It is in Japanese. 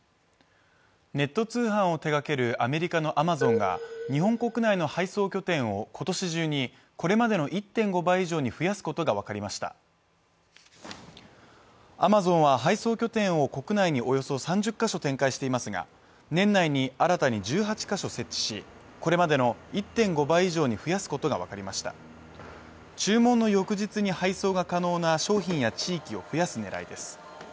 ネット通販を手がけるアメリカのアマゾンが日本国内の配送拠点を今年中にこれまでの１．５倍以上に増やすことが分かりましたアマゾンは配送拠点を国内におよそ３０か所展開していますが年内に新たに１８か所設置しこれまでの１．５倍以上に増やすことが分かりました注文の翌日に配送が可能な商品や地域を増やす狙いです